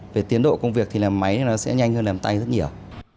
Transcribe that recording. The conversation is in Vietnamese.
về tiến độ công việc thì làm máy nó sẽ nhanh hơn làm tay rất nhiều